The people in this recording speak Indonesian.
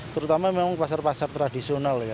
terutama memang pasar pasar tradisional ya